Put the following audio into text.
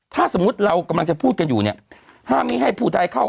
ถ้าสมมุติเรากำลังจะพูดกันอยู่เนี่ยห้ามมีให้ผู้ใดเข้า